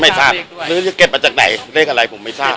ไม่ทราบหรือจะเก็บมาจากไหนเลขอะไรผมไม่ทราบ